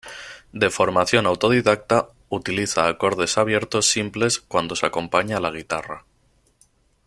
De formación autodidacta, utiliza acordes abiertos simples cuando se acompaña a la guitarra.